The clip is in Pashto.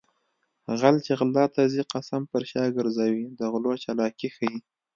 غل چې غلا ته ځي قسم پر شا ګرځوي د غلو چالاکي ښيي